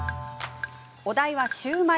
お題はシューマイ。